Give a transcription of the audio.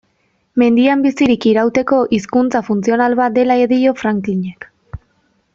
Mendian bizirik irauteko hizkuntza funtzional bat dela dio Franklinek.